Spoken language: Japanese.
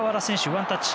ワンタッチ。